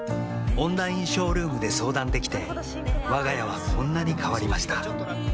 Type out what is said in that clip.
オンラインショールームで相談できてわが家はこんなに変わりました